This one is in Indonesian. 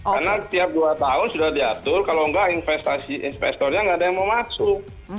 karena setiap dua tahun sudah diatur kalau nggak investornya nggak ada yang mau masuk